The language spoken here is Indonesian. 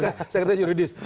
saya kira juridis